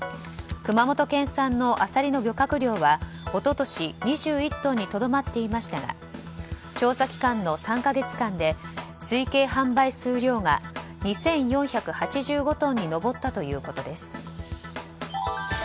熊本県産のアサリの漁獲量は一昨年２１トンにとどまっていましたが調査期間の３か月間で推計販売数量が２４８５トンに上ったということです。